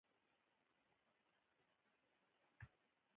بهرنۍ کرنسي په رسمي ډول منل کېږي.